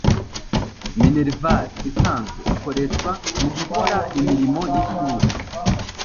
minerval isanzwe ikoreshwa mugukora imirimo y’ishuri